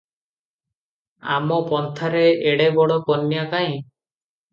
ଆମ ପନ୍ଥାରେ ଏଡେ ବଡ଼ କନ୍ୟା କାହିଁ?